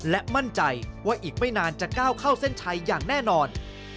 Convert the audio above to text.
และมั่นใจว่าอีกไม่นานจะก้าวเข้าเส้นชัยอย่างแน่นอน